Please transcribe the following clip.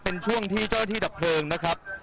เป็นช่วงที่เจ้าหน้าที่ดับเพลิงนะครับ